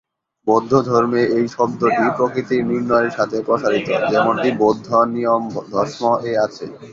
বৌদ্ধ ধর্মে, এই শব্দটি প্রকৃতির নির্ণয়ের সাথে প্রসারিত, যেমনটি বৌদ্ধ "নিয়ম ধম্ম"-এ আছে।